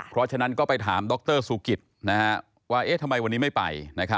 เพราะฉะนั้นก็ไปถามดรสุกิตว่าทำไมวันนี้ไม่ไป